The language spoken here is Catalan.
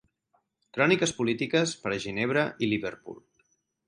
Cròniques polítiques per a Ginebra i Liverpool.